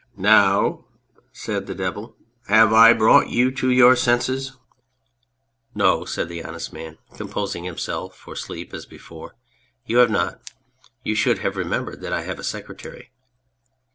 " Now," said the Devil, " have I brought you to your senses ?" "Xo," said the Honest Man, composing himself for sleep as before, "you have not. You should have remembered that I have a secretary."